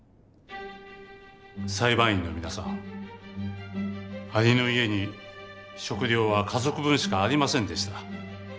裁判員の皆さんアリの家に食料は家族分しかありませんでした。